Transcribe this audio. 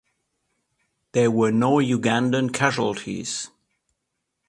There were no Ugandan casualties.